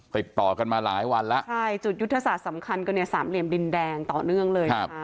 ติดต่อกันมาหลายวันแล้วใช่จุดยุทธศาสตร์สำคัญก็เนี่ยสามเหลี่ยมดินแดงต่อเนื่องเลยนะคะ